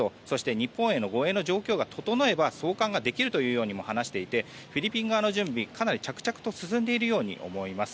日本への護衛の状況が整えば送還ができるというようにも話していてフィリピン側の準備はかなり着々と進んでいるように思います。